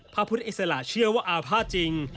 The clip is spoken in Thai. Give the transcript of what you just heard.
พระพุทธอิสระเชื่อว่าอาภาษณ์จริง